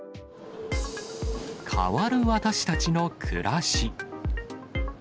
変わる私たちの暮らし。